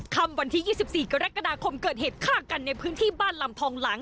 คำวันที่ยี่สิบสี่กระแกระดาคมเกิดเหตุฆ่ากันในพื้นที่บ้านลำทองหลัง